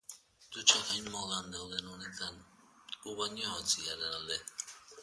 Dutxak hain modan dauden honetan, gu bainuontziaren alde.